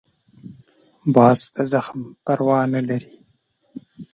باز د زخم پروا نه لري